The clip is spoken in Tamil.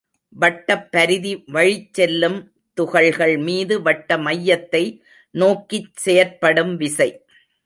வட்டப்பரிதி வழிச் செல்லும் துகள்மீது வட்ட மையத்தை நோக்கிச் செயற்படும் விசை.